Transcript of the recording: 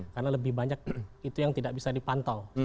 karena lebih banyak itu yang tidak bisa dipantau